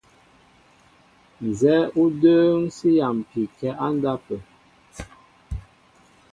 Nzɛ́ɛ́ o də̌ŋ sí yámpi kɛ́ á ndápə̂.